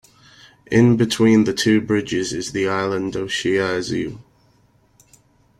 In between the two bridges is the island of Shiyezhou.